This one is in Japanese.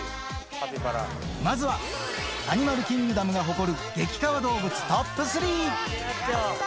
まずは、アニマルキングダムが誇る激かわ動物トップ３。